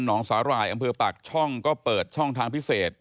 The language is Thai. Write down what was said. องสาหร่ายอำเภอปากช่องก็เปิดช่องทางพิเศษ